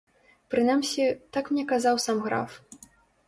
Прынамсі, так мне казаў сам граф.